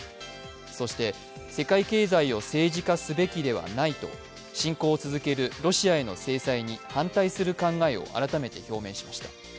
そして、世界経済を政治化すべきではないと、侵攻を続けるロシアへの制裁に反対する考えを改めて表明しました。